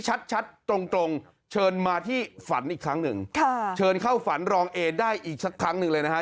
เชิญมาที่ฝันอีกครั้งหนึ่งเชิญเข้าฝันรองเอได้อีกครั้งหนึ่งเลยนะคะ